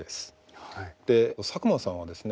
佐久間さんはですね